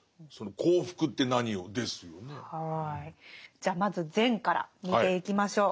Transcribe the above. じゃあまず善から見ていきましょう。